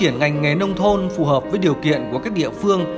triển ngành nghề nông thôn phù hợp với điều kiện của các địa phương